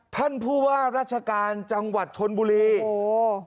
ท่านผู้ว่าราชการจังหวัดชนบุรีโอ้โห